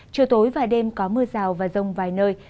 trưa tối vài đêm có mưa rào và rông vài nơi